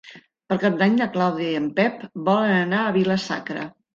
Per Cap d'Any na Clàudia i en Pep volen anar a Vila-sacra.